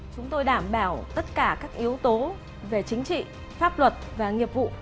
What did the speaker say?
chúng tôi đảm bảo tất cả các yếu tố về chính trị pháp luật và nghiệp vụ